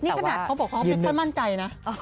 นี่ขนาดเขาบอกเขาไม่ค่อยมั่นใจนะ